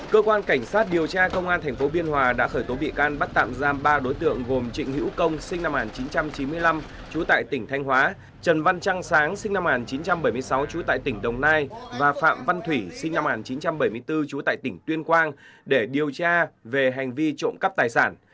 cơ quan cảnh sát điều tra công an tp biên hòa đã khởi tố bị can bắt tạm giam ba đối tượng gồm trịnh hữu công sinh năm một nghìn chín trăm chín mươi năm trú tại tỉnh thanh hóa trần văn trăng sáng sinh năm một nghìn chín trăm bảy mươi sáu trú tại tỉnh đồng nai và phạm văn thủy sinh năm một nghìn chín trăm bảy mươi bốn trú tại tỉnh tuyên quang để điều tra về hành vi trộm cắp tài sản